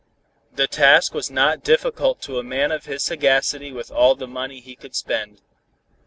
The task was not difficult to a man of his sagacity with all the money he could spend.